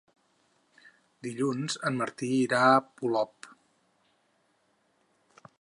Dilluns en Martí irà a Polop.